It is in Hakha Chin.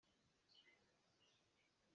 Ka hna a hnok, cucaah rak ka leng tuah.